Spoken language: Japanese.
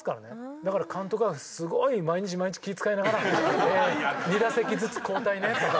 だから監督はすごい毎日毎日気使いながら二打席ずつ交代ねとか。